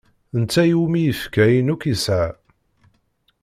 D netta iwumi i yefka ayen akk yesɛa.